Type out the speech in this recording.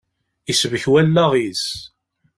Isbek wallaɣ-is.